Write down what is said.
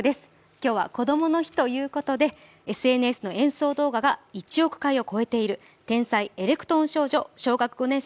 今日はこどもの日ということでＳＮＳの演奏動画が１億回を超えている天才エレクトーン少女小学５年生